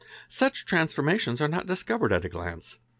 4 Such transformations are not discovered at a glance.